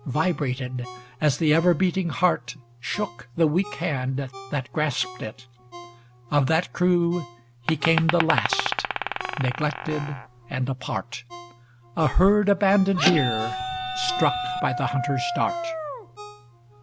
Vibrated, as the ever beating heart Shook the weak hand that grasped it; of that crew He came the last, neglected and apart; A herd abandoned deer struck by the hunter's dart.